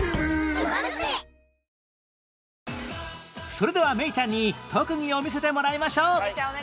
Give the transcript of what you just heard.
それではメイちゃんに特技を見せてもらいましょう